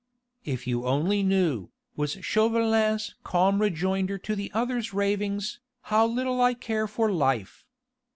"If you only knew," was Chauvelin's calm rejoinder to the other's ravings, "how little I care for life.